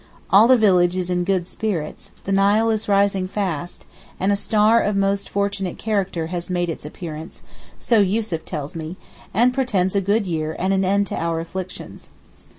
All the village is in good spirits; the Nile is rising fast, and a star of most fortunate character has made its appearance, so Yussuf tells me, and portends a good year and an end to our afflictions.